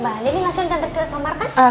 mbak ini langsung antre ke kamar kan